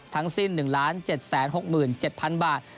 ทั้งสิ้น๑ล้าน๗๖๗๐๐๐บาท